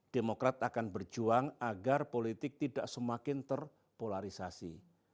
demokrat akan berjuang agar politik tidak semakin terpolarisasi